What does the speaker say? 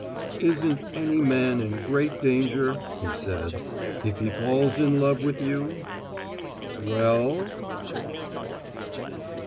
"Isn't any man in great danger," he said, "if he falls in love with you?" "Well?"